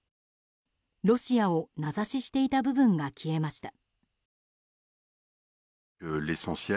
ロシアを名指ししていた部分が消えました。